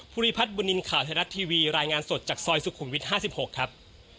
ริพัฒน์บุญนินทร์ข่าวไทยรัฐทีวีรายงานสดจากซอยสุขุมวิท๕๖ครับ